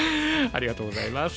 ありがとうございます。